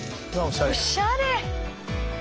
おしゃれ。